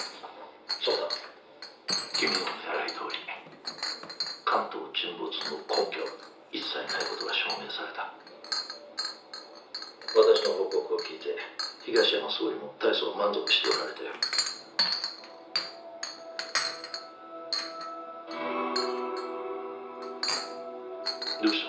そうだ君の狙いどおり関東沈没の根拠は一切ないことが証明された私の報告を聞いて東山総理も大層満足しておられたよどうした？